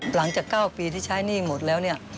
หลังจาก๙ปีที่ใช้หนี้หมดแล้วเนี่ย